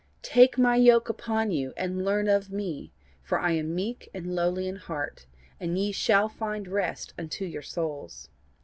Take my yoke upon you, and learn of me; for I am meek and lowly in heart: and ye shall find rest unto your souls.